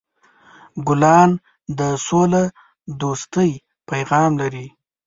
ګلان د سولهدوستۍ پیغام لري.